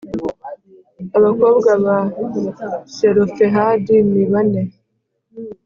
abakobwa ba Selofehadi ni bane